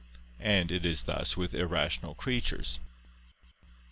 And it is thus with irrational creatures.